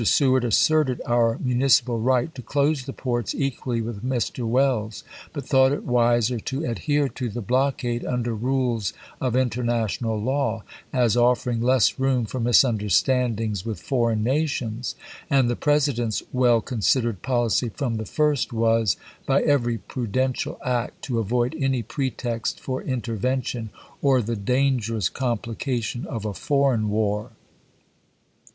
Seward asserted our municipal right to close the ports equally with Mr. Welles, but thought it wiser to adhere to the blockade under rules of international law, as offering less room for misunderstandings with foreign nations. And the President's well considered policy from the first was, by every pru dential act to avoid any pretext for intervention, or the dangerous complication of a foreign war.